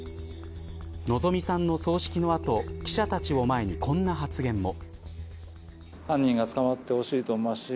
希美さんの葬式の後記者たちを前にこんな発言も。